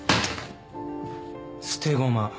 捨て駒。